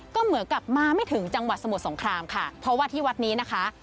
ก็เหมือนกับมาไม่ถึงจังหวัดสมุทรสงครามค่ะเพราะว่าที่วัดนี้นะคะ